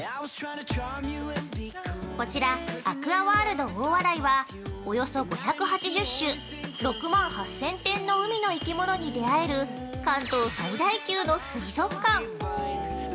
◆こちらアクアワールド・大洗はおよそ５８０種６万８０００点の海の生き物に出会える関東最大級の水族館。